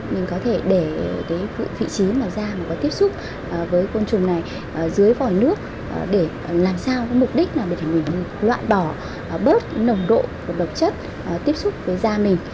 để cái vị trí mà da có tiếp xúc với côn trùng này dưới vòi nước để làm sao mục đích là để mình loạn bỏ bớt nồng độ độc chất tiếp xúc với da mình